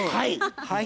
はい。